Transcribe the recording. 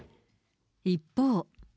一方。